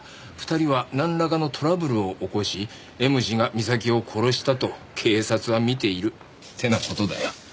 「２人はなんらかのトラブルを起こしＭ氏が美咲を殺したと警察は見ている」ってな事だよ。